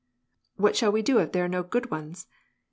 "What shall we do if there are no good ones?